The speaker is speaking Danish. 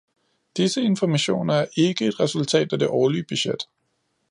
Disse informationer er ikke et resultat af det årlige budget.